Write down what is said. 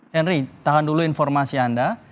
henry tahan dulu informasi anda